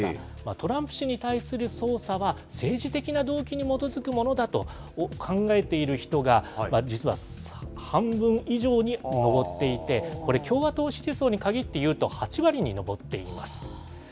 トランプ氏に対する捜査は、政治的な動機に基づくものだと考えている人が、実は半分以上に上っていて、これ、共和党支持層に限っていうと、８割に上っています。